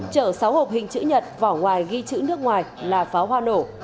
chở sáu hộp hình chữ nhật vỏ ngoài ghi chữ nước ngoài là pháo hoa nổ